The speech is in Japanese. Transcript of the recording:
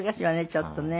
ちょっとね。